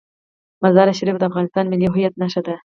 مزارشریف د افغانستان د ملي هویت نښه ده.